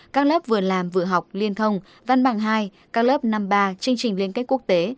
các lớp vừa làm vừa học liên thông văn bằng hai các lớp năm ba chương trình liên kết quốc tế